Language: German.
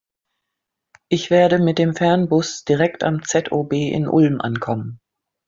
Ich werde mit dem Fernbus direkt am ZOB in Ulm ankommen.